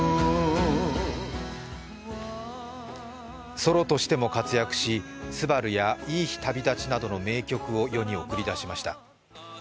ソロとしても活躍し、「昂−すばる−」や「いい日旅立ち」などの名曲を世に送り出しました。